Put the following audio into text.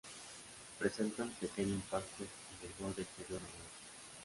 Presenta un pequeño impacto en el borde exterior noreste.